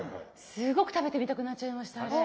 すごく食べてみたくなっちゃいましたあれ。